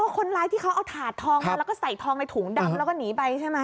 คนร้ายที่เขาเอาถาดทองมาแล้วก็ใส่ทองในถุงดำแล้วก็หนีไปใช่ไหม